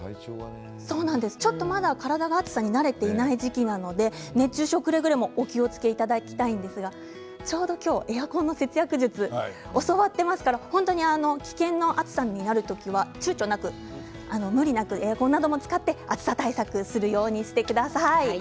ちょっとまだ体が暑さに慣れていない時期なので熱中症くれぐれもお気をつけていきたいんですがちょうどエアコンの節約術を教わっていますから危険な暑さになる時はちゅうちょなく無理なくエアコンなども使って暑さ対策するようにしてください。